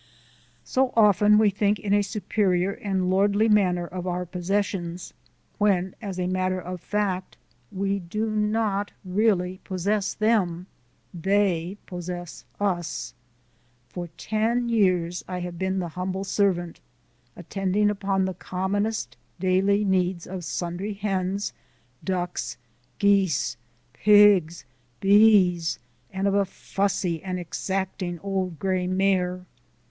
So often we think in a superior and lordly manner of our possessions, when, as a matter of fact, we do not really possess them, they possess us. For ten years I have been the humble servant, attending upon the commonest daily needs of sundry hens, ducks, geese, pigs, bees, and of a fussy and exacting old gray mare.